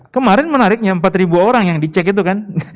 kemarin menariknya empat orang yang dicek itu kan